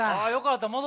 あよかった